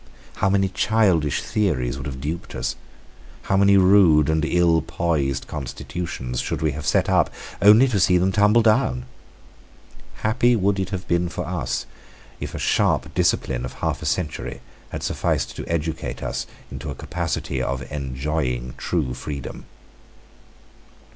How many childish theories would have duped us! How many rude and ill poised constitutions should we have set up, only to see them tumble down! Happy would it have been for us if a sharp discipline of half a century had sufficed to educate us into a capacity of enjoying true freedom.